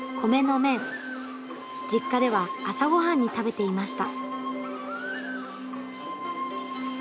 実家では朝ごはんに食べていました。